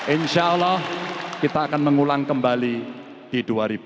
insya allah kita akan mengulang kembali di dua ribu dua puluh